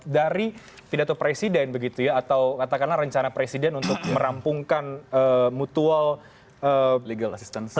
dari pidato presiden begitu ya atau katakanlah rencana presiden untuk merampungkan mutual legal assistance